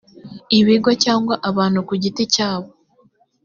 ibigo cyangwa abantu ku giti cyabo